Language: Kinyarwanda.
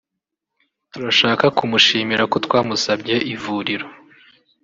turashaka kumushimira ko twamusabye ivuriro